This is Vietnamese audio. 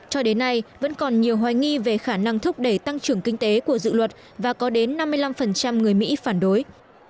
cho đến nay vẫn còn nhiều hoài nghi về khả năng thúc đẩy tăng trưởng kinh tế của dự luật và có đến năm mươi năm người mỹ phản đối